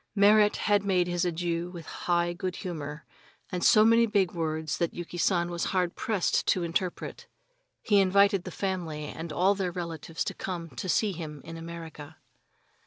Merrit made his adieu with high good humor, and so many big words that Yuki San was hard pressed to interpret. He invited the family and all their relatives to come to see him in America.